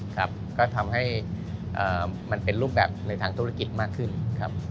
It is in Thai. ครับก็ทำให้มันเป็นรูปแบบในทางธุรกิจมากขึ้นครับ